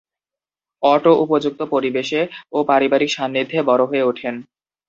Auto উপযুক্ত পরিবেশে ও পারিবারিক সান্নিধ্যে বড়ো হয়ে উঠেন।